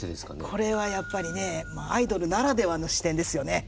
これはやっぱりねアイドルならではの視点ですよね。